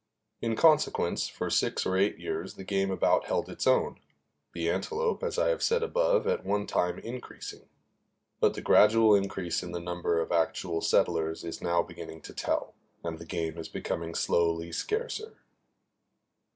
In consequence, for six or eight years the game about held its own the antelope, as I have said above, at one time increasing; but the gradual increase in the number of actual settlers is now beginning to tell, and the game is becoming slowly scarcer.